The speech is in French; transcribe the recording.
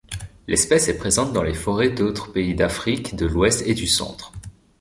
L'espèce est présente dans les forêts d'autres pays d'Afrique de l'Ouest et du Centre.